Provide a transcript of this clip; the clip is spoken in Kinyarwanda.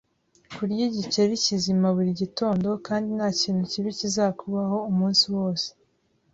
Kurya igikeri kizima buri gitondo, kandi ntakintu kibi kizakubaho umunsi wose